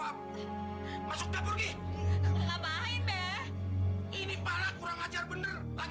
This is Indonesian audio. bulan purnama sebentar lagi